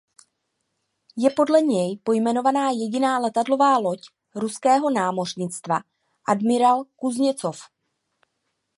Je podle něj pojmenována jediná letadlová loď ruského námořnictva "Admiral Kuzněcov".